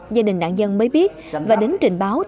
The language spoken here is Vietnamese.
gia đình nạn nhân mới biết và đến trình báo